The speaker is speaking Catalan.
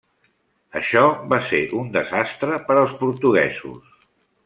Això va ser un desastre per als portuguesos.